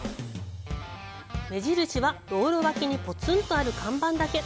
目印は、道路脇にポツンとある看板だけ。